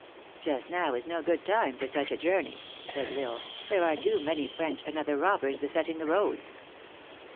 " Just now is no good time for such a journey," said L Isle ;" there are too many French and other robbers besetting the roads."